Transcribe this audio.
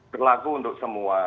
terlaku untuk semua